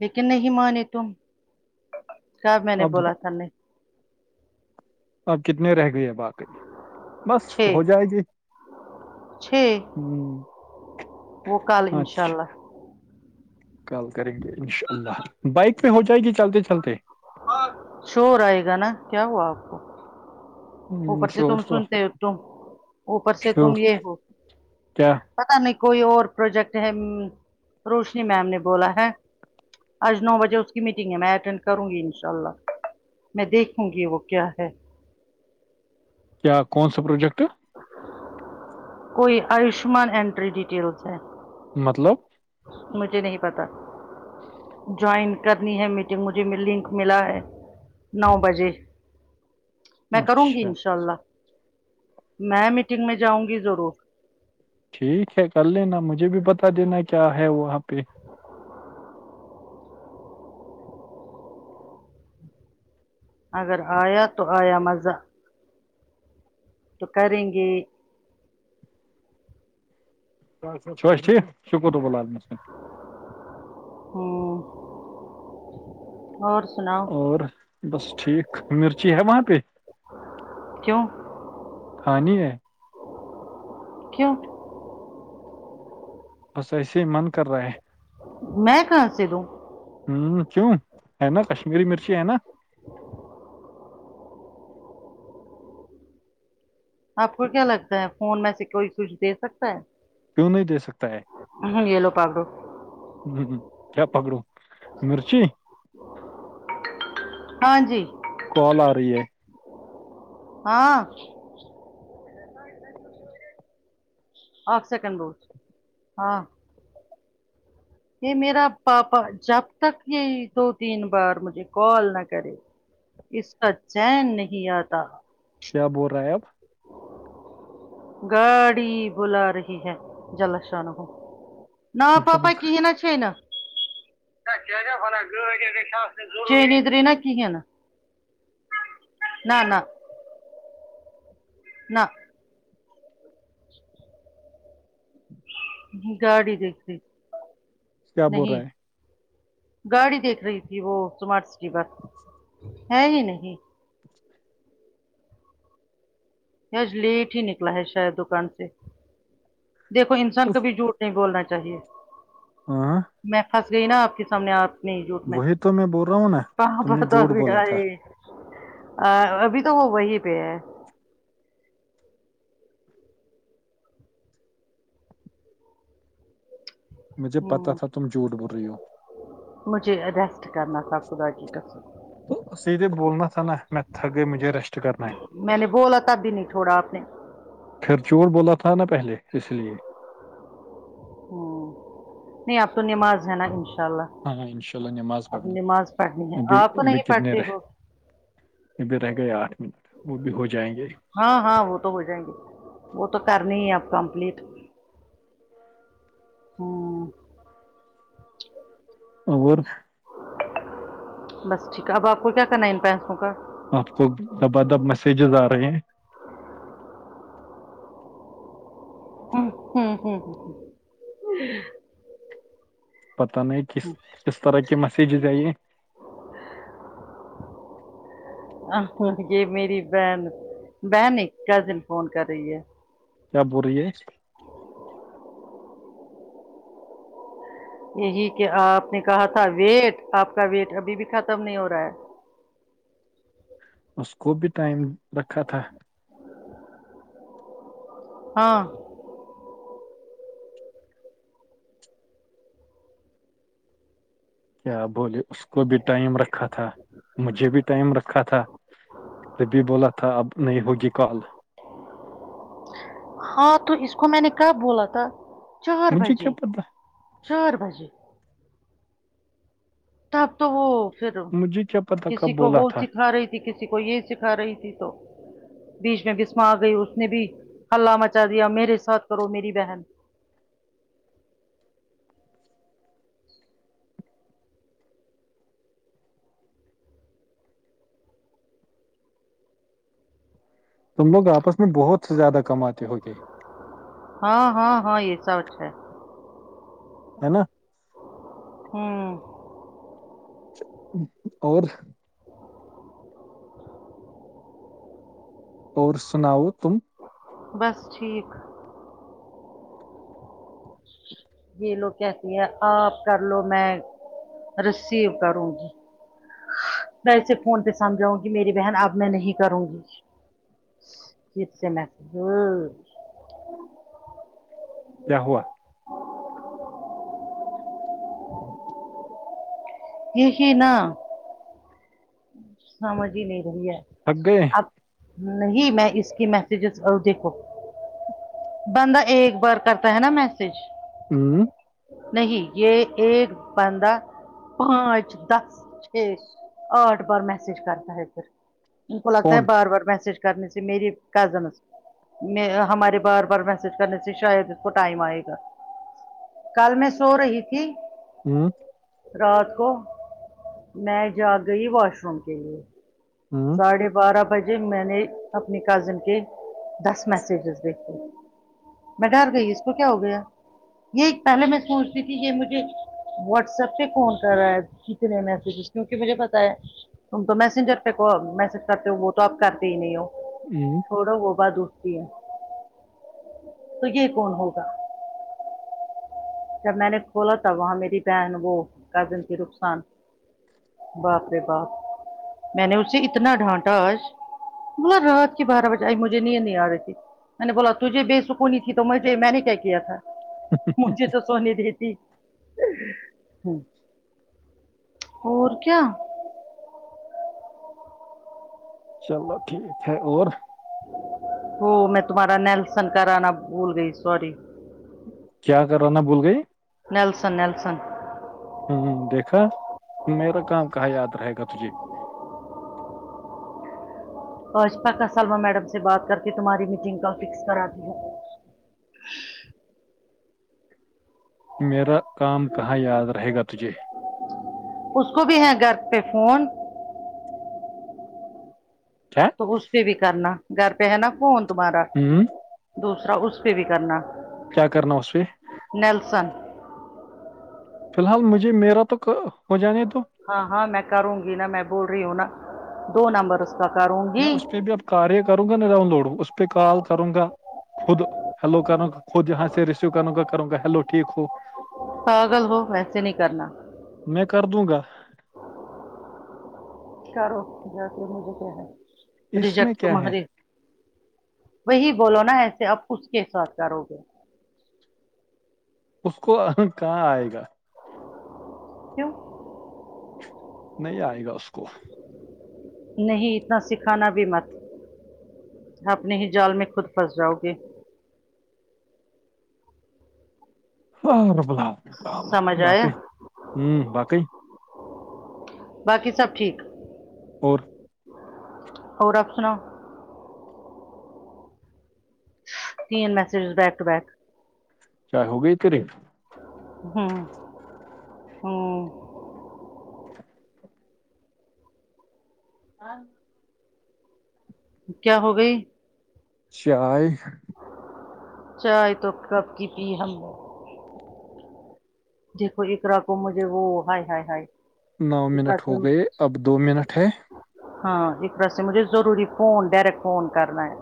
لیکن نہیں مانے تم کل میں نے اب بولا تھا نہیں کتنے رہ گئے ہیں باقی بس چھ ہو جائے گی چھ ہ وہ کل انشاء اچھا اللہ کال کریں گے انشاء اللہ بائک میں ہو جائے گی چلتے چلتے شور آئے گا نا کیا ہوا آپ کو ہ اوپر سے شور تم تو سنتے ہو تم اوپر سے تم شور یہ ہو کیا پتا نہیں کوئی اور پروجیکٹ ہے امم روشنی میم نے بولا ہے آج نو بجے اس کی میٹنگ ہے میں اٹینڈ کروں گی انشاء اللہ میں دیکھوں گی وہ کیا ہے کیا کون سا پروجیکٹ کوئی آیوشمان اینٹری ڈیٹیلس ہے مطلب مجھے نہیں پتہ جوائن کرنی ہے میٹنگ مجھے م لنک ملا ہے نو بجے میں کروں گی اچھا ان شاء اللہ میں میٹنگ میں جاؤں گی ضرور ٹھیک ہے کر لینا مجھے بھی بتا دینا کیا ہے وہاں پہ اگر آیا تو آیا مزہ تو کریں گے ٹھیک شکر رب [unintelligible] ہوں اور سناو اور بس ٹھیک مرچی ہے وہاں پہ کیوں کھانی ہے کیوں بس ایسے ہی من کر رہا ہے میں کہا ں سے دوں ہوں کیوں ہے نا کشمیری مرچی ہے نا آپ کو کیا لگتا ہے فون میں سے کوئی کچھ دے سکتا ہے کیوں نہیں دے سکتا ہے ہوں یہ لو پکڑو ہوں ہوں کیا پکڑوں مرچی ہاں جی کال آ رہی ہے ہاں [unintelligible] آپ سیکنڈ روج ہاں یہ میرا پاپا جب تک یہی دو تین بار مجھے کال نہ کرے اس کا چین نہیں آتا کیا بول رہا ہے اب گاڑی بلا رہی ہے جل شان ہو نا جب پاپا کی یہ نا چھینا [unintelligible] نہ نہ نہ گاڑی دیکھتی کیا بول نہیں رہا ہے گاڑی دیکھ رہی تھی وہ سمارٹ سٹی پر ہے ہی نہیں یہ آج لیٹ ہی نکلا ہے شاید دکان سے دیکھو انسان اف، کبھی جھوٹ نہیں بولنا چاہیے ہاں میں پھنس گئی نا آپ کے سامنے آپ نے جوٹ میں وہی تو بول رہا ہوں نا کہاں تم نے پتا جھوٹ ب بولا تھا ہے ا ابھی تو وہ وہی پہ ہے مجھے پتہ ہم، تھا تم جھوٹ بول رہی ہو مجھے ریسٹ کرنا تھا خدا کی قسم تو سیدھے بولنا تھا نا میں تھک گئ مجھے ریسٹ کرنا ہے میں نے بولا تب بھی نہیں چھوڑا آپ نے پھر چور بولا تھا نا پہلے اس لیے ہ نہیں اب تو نماز ہے نا انشاء اللہ ہاں ہاں انشاء اللہ نماز پڑھنا پڑھنی ہے ابھی آپ ابھی نہیں کتنے پڑھتے رہ ہو ا بھی رہ گئے آٹھ وہ بھی ہو جائیں گے ہاں ہاں وہ تو ہو جائیں گے وہ تو کرنے ہی ہے اب کمپلیٹ ہو ں اور بس ٹھیک ہے اب آپ کو کیا کرنا ہے ان پینسوں کا اب تو دبادب میسجز آ رہے ہیں ہ ہوں ہوں ہ پتہ نہیں کس کس طرح کے میسیجز آئی ہیں یہ میری بہن بہن نہیں کزن فون کر رہی ہے کیا بور رہی ہے یہی کہ آپ نے کہا تھا ویٹ آپ کا ویٹ ابھی بھی ختم نہیں ہو رہا ہے اس کو بھی ٹائم رکھا تھا ہاں کیا بولے اس کو بھی ٹائم رکھا تھا مجھے بھی ٹائم رکھا تھا تبھی بولا تھا اب نہیں ہوگی کال ہاں تو اس کو میں نے کب بولا تھا چار مجھے کیا بجے پتا چار بجے تب تو وہ پھر مجھے کیا پتا کب کسی کو بولا وہ تھا سکھا رہی تھی یہ کسی کو یہ سکھا رہی تھی تو بیچ میں بسما آ گئی اس نے بھی ہلہ مچا دیا میرے ساتھ کرو میری بہن تم لوگ آپس میں بہت سے زیادہ کماتتے ہو گے ہاں ہاں ہاں یہ سچ ہے ہے نا ہوں اور اور سناؤ تم بس ٹھیک یہ لوگ کہتی ہیں آپ کر لو میں رسیو کروں گی میں اسے فون پہ سمجھاؤں گی میری بہن اب میں نہیں کروں گی پھر سے میں کیا ہوا یہی نہ سمج ہی نہیں رہی ہے تھک گئے اب نہیں میں اس کی میسجز اور دیکھو بندہ ایک بار کرتا ہے نا میسج وں نہیں یہ ایک بندہ پانچ دس چھ آٹھ بار میسج کرتا ہے پھر ان کو لگتا ہے کون بار بار میسج کرنے سے میری کزنس میں ہمارے بار بار میسج کرنے سے شاید اس کو ٹائم آئے گا کل میں سو رہی تھی ہوں رات کو میں جاگ گئی واش روم کے لیے ہوں ساڑھے بارہ بجے میں نے اپنی کزن کے دس میسجز دیکھے میں ڈر گئی اس کو کیا ہو گیا یہ پہلے میں سوچتی تھی یہ مجھے واٹس ایپ پہ فون کر رہا ہے کتنے میسجز کیونکہ مجھے پتا ہے تم تو میسنجر میرے کو میسج کرتے ہو وہ تو آپ کرتے ہی نہیں ہو وں تھوڑا وہ بعد اٹھتی ہے تو یہ کون ہوگا جب میں نے کھولا تھا وہاں میری بہن وہ کزن کی رخصار باپ رے باپ میں نے اسے اتنا ڈھانٹا آج بولا رات کی بارہ بجے آئی مجھے نیند نہیں آ رہی تھی میں نے بولا تجھے بےسکونی تھی تو مجے میں نے کیا کیا تھا مجھے تو سونے دیتی اور کیا چلو ٹھیک ہے اور وہ میں تمہارا نیلسن کرانا بھول گئی سوری کیا کرانا بھول گئی نیلسن نیلسن ہوں دیکھا میرا کام کہاں یاد رہے گا تجھے آج پکا سلمی میڈم سے بات کر کے تمہاری میٹنگ کا فکس کراتی ہوں میرا کام کہاں یاد رہے گا تجھے اس کو بھی ہے گھر پہ فون کیا تو اس پہ بھی کرنا گھر پہ ہے نا فون تمہارا ہ دوسرا اس پہ بھی کرنا کیا کرنا اسے نیلسن فی الحال مجھے میرا تو ک ہو جانے دو ہاں ہاں میں کروں گی نا میں بول رہی ہوں نا دو نمبرس پکاروں میں اس پہ بھی اب کاریہ کروں گا نہ ڈاؤن لوڈ اس پہ کال کروں گا خود ہیلو کرو خود یہاں سے ریسیو کروں گا کروں گا ہیلو ٹھیک ہو پاگل ہو ویسے نہیں کرنا میں کر دوں گا کرو جا کے مجھے کیا ہے اس میں ریجیکٹ کیا ہے تمہارے وہی بولو نا ایسے اب اس کے ساتھ کرو گے اس کو اہن کہاں آئے گا کیوں نہیں آئے گا اس کو نہیں اتنا سیکھانا بھی مت اپنے ہی جال میں خود پھنس جاؤ گے ہ ر بلام رام سمجھ آیا باقی ہوں باقی [unintelligible] باقی سب ٹھیک اور اور آپ سناؤ یہ میسج بیک ٹو بیک چاہے ہو گئی تیری ہوں ہوں ہاں کیا ہوگئی چائے چائے تو کپ کی پی ہم نے دیکھو اقرا کو مجھے وہ ہائے ہائے ہائے نو اقرا منٹ ہو سے گئے اب دو منٹ ہے ہاں ایک طرح سے مجھے ضروری فون ڈائریکٹ فون کرنا ہے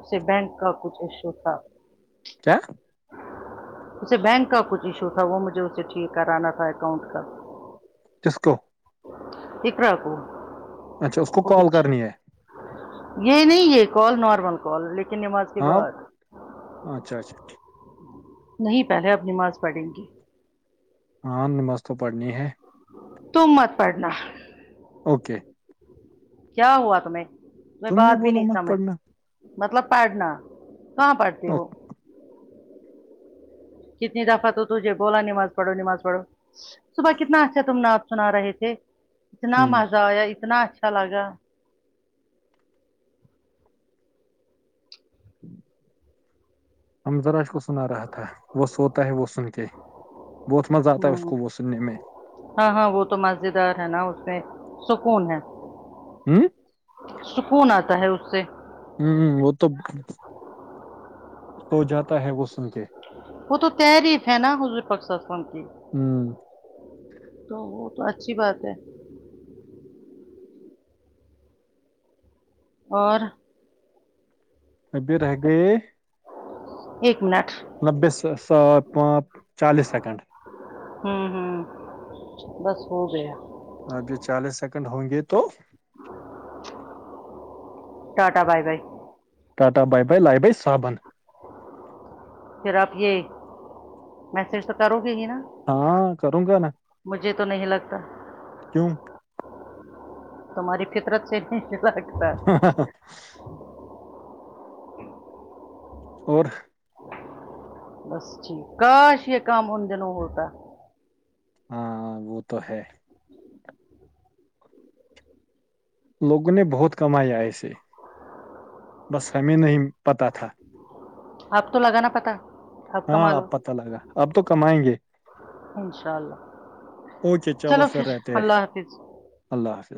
اسے بینک کا کچھ ایشو تھا پچ ہ کیا اسے بینک کا کچھ ایشو تھا وہ م جو اسے ٹھیک کرانا تھا اکاؤنٹ کا کس کو اقرا کو اچھا اس کو وہ کال بچ کرنی ہے یہ نہیں یہ کال نارمل کال لیکن نماز کے ہاں بعد اچھا اچھا ٹھیک نہیں پہلے اب نماز پڑھیں گی ہاں نماز تو پڑھنی ہے تم مت پڑھنا اوکے کیا ہوا تمہیں میں تم نے بات بھی بولا نہیں مت سمجھ پڑھنا مطلب پڑھنا کہاں پڑھتی اوہ، ہو کتنی دفعہ تو تجھے بولا نماز پڑھو نماز پڑھو صبح کتنا اچھا تم نعت سنا رہے تھے اتنا ہم مزہ آیا اتنا اچھا لگا ہم ذرا اس کو س سنا رہا تھا وہ سوتا ہے وہ سن کے بہت مزہ آتا ہے اس ہوں کو وہ سننے میں ہاں ہاں وہ تو مزیدار ہے نا اس میں سکون ہے ہوں سکون آتا ہے اس سے ہوں وہ تو سو جاتا ہے وہ سن کے وہ تو تحریف ہے نا حضو ر صلح اللہ وسلم کی ہم، تو وہ تو اچھی بات ہے اور تے رہ گۓ ایک منٹ نوے سا سات پانچ چالیس سیکنڈ ہوں ہوں بس ہو گیا ابھی چالیس سیکنڈ ہوں گے تو ٹا ٹا bye bye Tata bye bye لائی بائی صابن پھر اب یہ میسج تو کروں گی ہی نا ہاں کروں گا نا مجھے تو نہیں لگتا کیوں تمہاری فطرت سے بھی جدا ہاں ہاں ہاں اور بس ٹھیک کاش یہ کام ان دنوں ہوتا ہاں وہ تو ہے لوگوں نے بہت کمایا ایسے بس ہمیں نہیں پتا تھا اب تو لگا نا پتا ہاں اب پتا لگا اب تو کمائیں گے انشاء اللہ اوکے چلو پھر فر رہتے اللہ حافظ اللہ حافظ